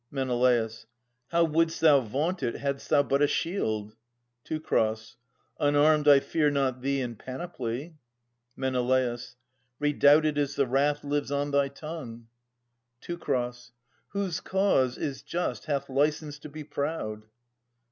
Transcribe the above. Men. How wouldst thou vaunt it hadst thou but a shield ! Teu. Unarmed I fear not thee in panoply. Men. Redoubted is the wrath Mves on thy tongue. Teu. Whose cause is just hath licence to be proud.